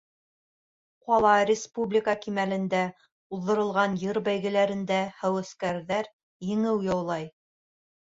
Ҡала, республика кимәлендә уҙғарылған йыр бәйгеләрендә һәүәҫкәрҙәр еңеү яулай.